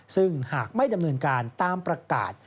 ซึ่งหากไม่ดำเนินการตามประกาศ